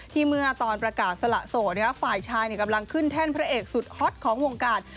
เมื่อตอนประกาศสละโสดฝ่ายชายกำลังขึ้นแท่นพระเอกสุดฮอตของวงการ